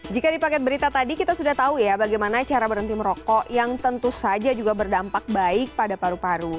jika di paket berita tadi kita sudah tahu ya bagaimana cara berhenti merokok yang tentu saja juga berdampak baik pada paru paru